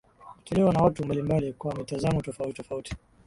hutolewa na watu mbalimbali kwa mitazamo tofautitofauti